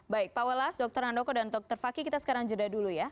baik pak welas dr handoko dan dr fakih kita sekarang jeda dulu ya